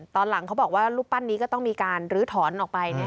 ตอนหลังเขาบอกว่ารูปปั้นนี้ก็ต้องมีการลื้อถอนออกไป